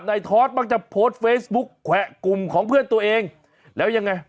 ทอดมักจะโพสต์เฟซบุ๊คแขวะกลุ่มของเพื่อนตัวเองแล้วยังไง